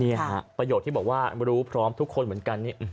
เนี่ยฮะประโยชน์ที่บอกว่ารู้พร้อมทุกคนเหมือนกันเนี่ย